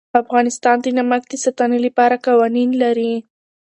افغانستان د نمک د ساتنې لپاره قوانین لري.